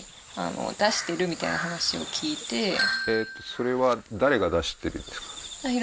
それは誰が出してるんですか？